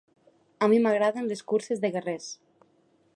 A mi m'agraden les curses de guerrers.